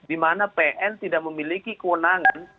dimana pn tidak memiliki kewenangan